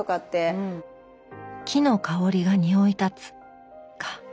「木の香りがにおい立つ」か。